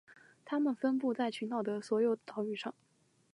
它们分布在群岛的所有岛屿上。